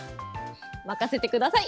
任せてください。